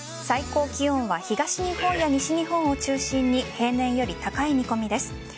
最高気温は東日本や西日本を中心に平年より高い見込みです。